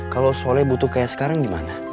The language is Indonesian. kalau soalnya butuh kayak sekarang gimana